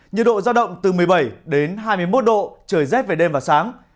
nhiệt độ giao động từ một mươi bảy đến hai mươi một độ trời rét về đêm và sáng